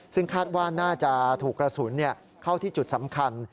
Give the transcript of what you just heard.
ซึ่งคาดว่าน่าจะถูกกระสุนเข้าที่จุดสำคัญ